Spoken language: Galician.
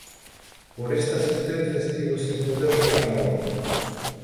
Por esta sentenza estivo sen poder xogar a volta.